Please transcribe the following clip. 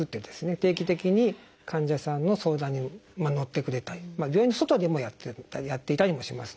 定期的に患者さんの相談にのってくれたり病院の外でもやっていたりもしますので。